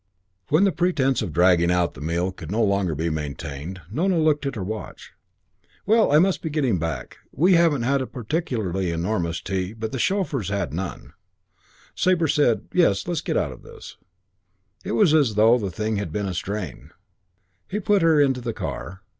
When pretence of dragging out the meal could no longer be maintained, Nona looked at her watch. "Well, I must be getting back. We haven't had a particularly enormous tea, but the chauffeur's had none." Sabre said, "Yes, let's get out of this." It was as though the thing had been a strain. He put her into the car.